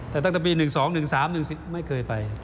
แต่ตั้งแต่ปี๑๒๑๓๑ไม่เคยไป